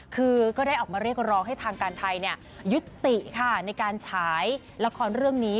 คือก็ได้ออกมาเรียกร้องให้ทางการไทยยุติค่ะในการฉายละครเรื่องนี้